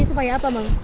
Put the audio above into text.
jadi supaya apa bang